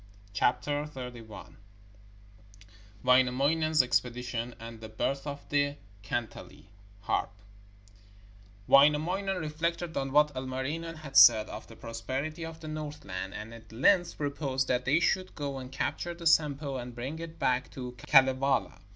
WAINAMOINEN'S EXPEDITION AND THE BIRTH OF THE KANTELE (HARP) Wainamoinen reflected on what Ilmarinen had said of the prosperity of the Northland, and at length proposed that they should go and capture the Sampo and bring it back to Kalevala.